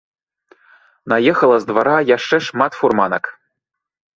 Наехала з двара яшчэ шмат фурманак.